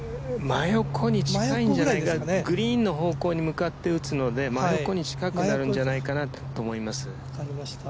真横に近いんじゃないかなグリーンの方向に向かって打つので真横に近くなるんじゃないかなと思います。